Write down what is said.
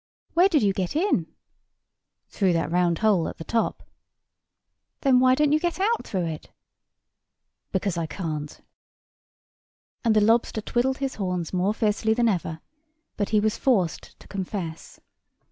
"Where did you get in?" "Through that round hole at the top." "Then why don't you get out through it?" "Because I can't:" and the lobster twiddled his horns more fiercely than ever, but he was forced to confess.